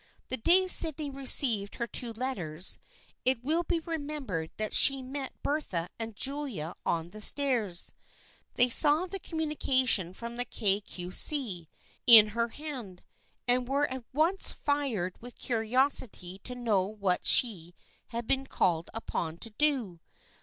The day Sydney received her two letters, it will be remembered that she met Bertha and Julia on the stairs. They saw the communication from the Kay Cue See in her hand, and were at once fired with curiosity to know what she had been called upon to do.